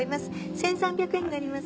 １３００円になります。